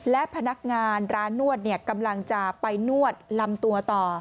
และพนักงานร้านนวดกำลังจะไปนวดลำตัวต่อ